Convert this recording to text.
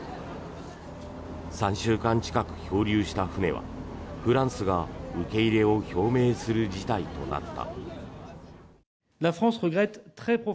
３週間近く漂流した船はフランスが受け入れを表明する事態となった。